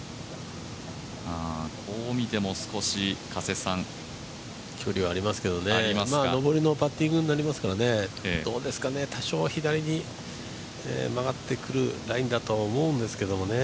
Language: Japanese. こう見ても少し距離はありますけどね、上りのパッティングになりますから多少は左に曲がってくるラインだとは思うんですけどね。